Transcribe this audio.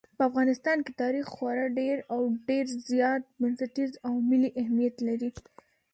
په افغانستان کې تاریخ خورا ډېر او ډېر زیات بنسټیز او ملي اهمیت لري.